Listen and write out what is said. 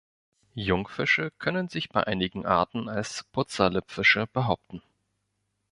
Jungfische können sich bei einigen Arten als Putzerlippfische behaupten.